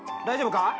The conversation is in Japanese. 大丈夫か？